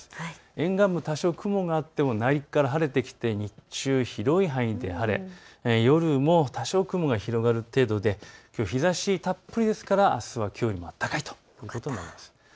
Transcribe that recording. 沿岸部、多少雲があっても内陸から晴れてきて日中広い範囲で晴れ、夜も多少雲が広がる程度で日ざしたっぷりですからあすはきょうよりも高いと思われます。